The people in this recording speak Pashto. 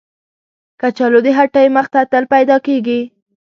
کچالو د هټۍ مخ ته تل پیدا کېږي